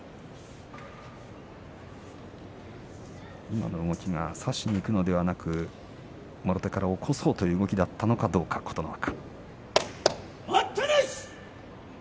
今の動きは差しにいくのではなくもろ手から起こそうという動きだったのかどうか琴ノ若。